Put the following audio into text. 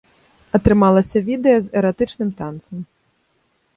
Атрымалася відэа з эратычным танцам.